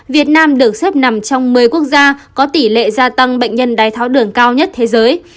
việt nam được xếp nằm trong một mươi quốc gia có tỷ lệ gia tăng bệnh nhân đái tháo đường cao nhất thế giới